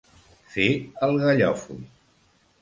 Fer el gallòfol.